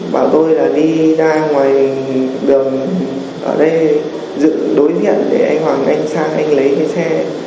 bọn tôi là đi ra ngoài đường ở đây dự đối diện để anh hoàng anh sang anh lấy cái xe